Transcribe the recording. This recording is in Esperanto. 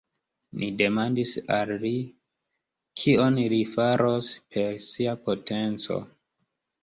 Ni demandis al li, kion li faros per sia potenco.